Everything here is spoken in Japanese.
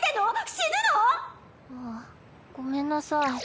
死ぬの⁉あっごめんなさい。